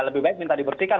lebih baik minta dibersihkan